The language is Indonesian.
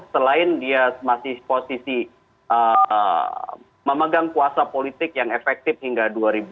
selain dia masih posisi memegang kuasa politik yang efektif hingga dua ribu dua puluh